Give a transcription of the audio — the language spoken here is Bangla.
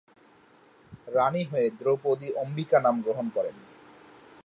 রানী হয়ে দ্রৌপদী অম্বিকা নাম গ্রহণ করেন।